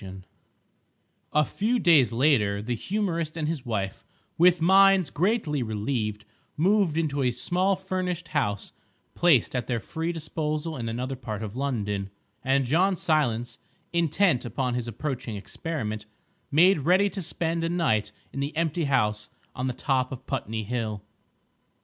II A few days later the humorist and his wife, with minds greatly relieved, moved into a small furnished house placed at their free disposal in another part of London; and John Silence, intent upon his approaching experiment, made ready to spend a night in the empty house on the top of Putney Hill.